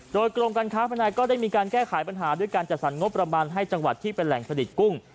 โดยกรมการค้าภายในก็ได้มีการแก้ไขปัญหาด้วยการจัดสรรงบประมาณให้จังหวัดที่เป็นแหล่งผลิตกุ้ง